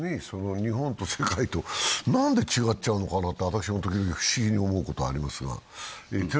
日本と世界と何で違っちゃうのかなと、私も時々、不思議に思うことありますが。